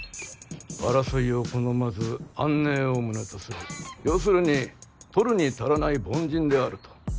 争いを好まず安寧を旨とする要するに取るに足らない凡人であると。